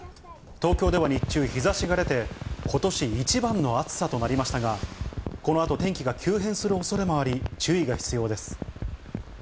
東京では日中、日ざしが出て、ことし一番の暑さとなりましたが、このあと天気が急変するおそれもあり、注意が必要です。